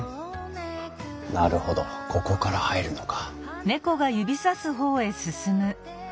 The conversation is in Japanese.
なるほどここから入るのか。